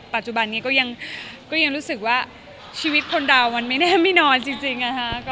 ปัจจุบันนี้ก็ยังรู้สึกว่าชีวิตคนเรามันไม่แน่ไม่นอนจริงนะคะ